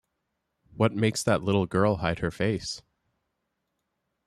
What makes that little girl hide her face?